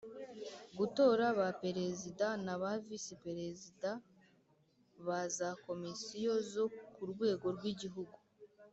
Gutora ba Perezida na ba Visi Perezida ba za Komisiyo zo ku rwego rw igihugu